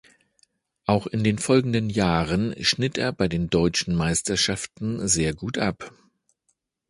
Auch in den folgenden Jahren schnitt er bei den deutschen Meisterschaften sehr gut ab.